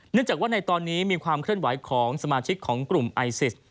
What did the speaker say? จากว่าในตอนนี้มีความเคลื่อนไหวของสมาชิกของกลุ่มไอซิส